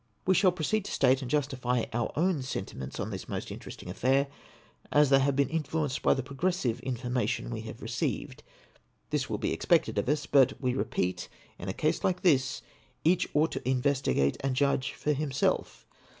We shall proceed to state and justify our own sentiments on this most interesting affair, as they have been influenced by the progressive information we have received. This will be expected of us ; but, we repeat, in a case like this, each ought to investigate and judge for himself.